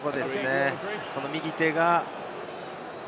右手が。